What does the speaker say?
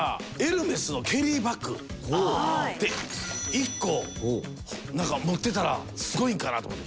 一個持ってたらすごいんかなと思って。